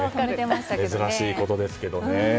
珍しいことですけどね。